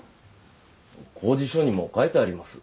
公示書にも書いてあります。